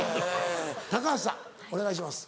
橋さんお願いします。